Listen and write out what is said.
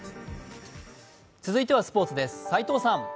続いてはスポーツです。